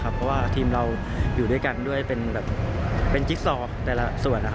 เพราะว่าทีมเราอยู่ด้วยกันด้วยเป็นจิ๊กซอกแต่ละส่วน